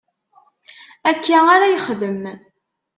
Akka ara yexdem.